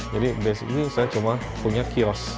jadi basically saya cuma punya kiosk